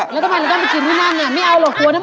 แล้วทำไมแล้วก็ไปกินข้าวนั้นเนี่ย